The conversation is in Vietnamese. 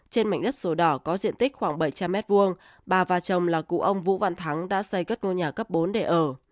một nghìn chín trăm bảy mươi năm trên mảnh đất sổ đỏ có diện tích khoảng bảy trăm linh m hai bà và chồng là cụ ông vũ văn thắng đã xây các ngôi nhà cấp bốn để ở